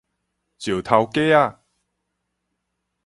石頭格仔